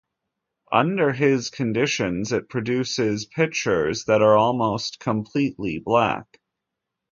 Under his conditions it produces pitchers that are almost completely black.